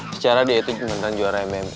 secara dietit beneran juara mmp